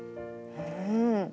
うん。